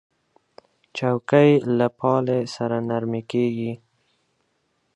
چوکۍ له پالې سره نرمې کېږي.